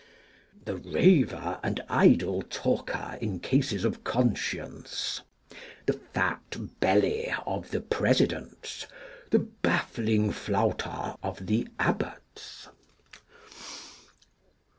The Raver and idle Talker in cases of Conscience. The Fat Belly of the Presidents. The Baffling Flouter of the Abbots.